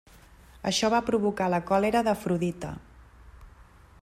Això va provocar la còlera d'Afrodita.